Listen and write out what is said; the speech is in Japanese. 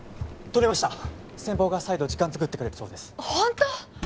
取りました先方が再度時間つくってくれるそうですホント！？